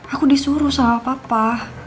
aku disuruh sama papa